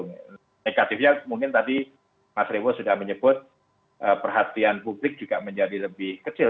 negatifnya mungkin tadi mas rewo sudah menyebut perhatian publik juga menjadi lebih kecil